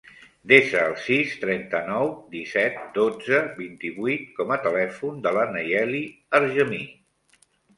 Desa el sis, trenta-nou, disset, dotze, vint-i-vuit com a telèfon de la Nayeli Argemi.